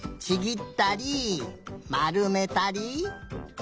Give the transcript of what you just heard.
ちぎったりまるめたり。